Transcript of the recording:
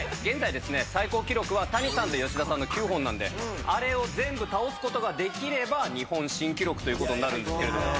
現在ですね最高記録は谷さんと吉田さんの９本なんであれを全部倒すことができれば日本新記録ということになるんですけれども。